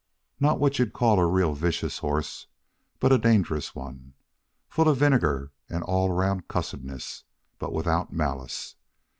"Not what you'd call a real vicious horse, but a dangerous one. Full of vinegar and all round cussedness, but without malice.